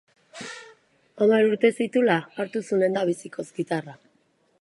Hamar urte zituela hartu zuen lehendabizikoz gitarra.